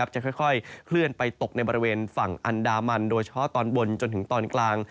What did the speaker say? จะค่อยเคลื่อนไปตกในบริเวณฝั่งอันดามันโดยเฉพาะตอนบนจนถึงตอนกลาง